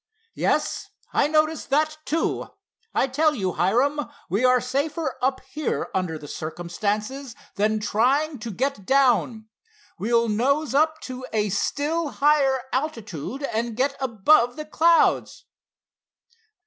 "Yes, I notice that, too. I tell you, Hiram, we are safer up here, under the circumstances, than trying to get down. We'll nose up to a still higher altitude and get above the clouds."